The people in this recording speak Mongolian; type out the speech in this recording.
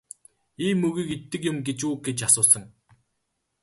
Ийм мөөгийг иддэг юм гэж үү гэж асуусан.